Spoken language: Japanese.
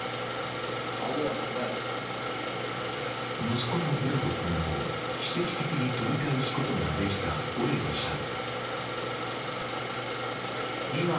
息子のヴラド君を奇跡的に取り返すことができたオレグさん。